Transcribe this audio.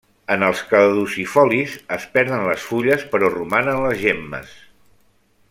En els caducifolis es perden les fulles però romanen les gemmes.